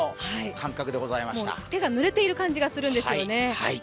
手がぬれている感じがするんですよね。